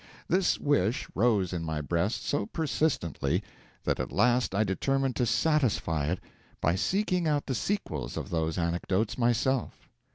This wish rose in my breast so persistently that at last I determined to satisfy it by seeking out the sequels of those anecdotes myself.